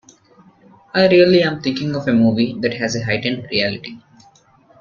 I really am thinking of a movie that has a heightened reality.